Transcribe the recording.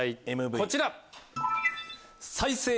こちら。